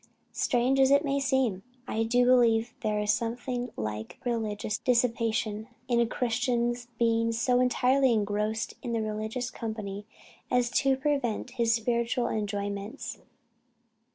Strange as it may seem, I do believe there is something like religious dissipation, in a Christian's being so entirely engrossed in religious company, as to prevent his spiritual enjoyments."